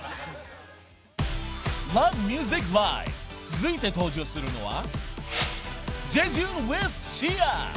［続いて登場するのは］